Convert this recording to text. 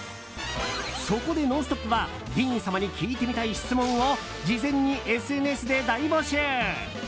そこで「ノンストップ！」はディーン様に聞いてみたい質問を事前にＳＮＳで大募集。